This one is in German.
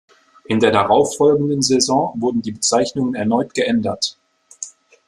In der darauffolgenden Saison wurden die Bezeichnungen erneut geändert.